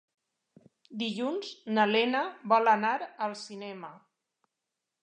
Dilluns na Lena vol anar al cinema.